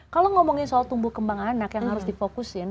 kalau ngomongin soal tumbuh kembang anak yang harus difokusin